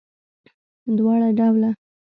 دواړه ډوله